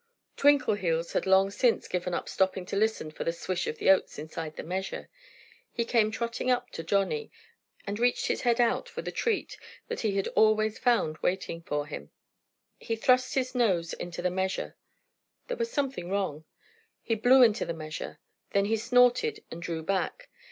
Twinkleheels had long since given up stopping to listen for the swish of the oats inside the measure. He came trotting up to Johnnie and reached his head out for the treat that he had always found waiting for him. He thrust his nose into the measure. There was something wrong. He blew into the measure. Then he snorted and drew back.